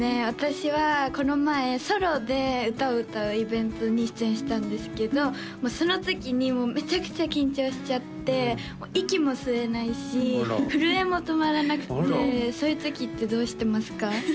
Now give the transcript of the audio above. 私はこの前ソロで歌を歌うイベントに出演したんですけどもうそのときにめちゃくちゃ緊張しちゃって息も吸えないし震えも止まらなくてそういうときってどうしてますか？